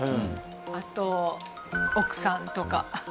あと奥さんとか身内？